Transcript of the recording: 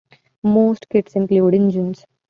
Most kits include engines.